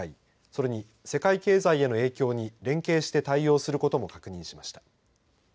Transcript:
それに世界経済への影響に連携して対応することも確認しました。